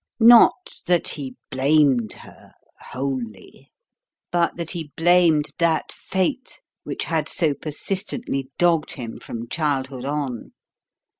Not that he blamed her wholly; but that he blamed that Fate which had so persistently dogged him from childhood on.